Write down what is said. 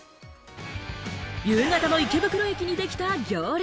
夕方の池袋駅にできた行列。